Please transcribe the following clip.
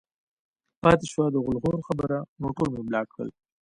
پاتې شوه د غول خورو خبره نو ټول مې بلاک کړل